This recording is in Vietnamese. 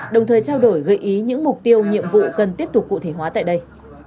đồng thời trao đổi gợi ý những mục tiêu nhiệm vụ cần tiếp tục cụ thể hóa tại đây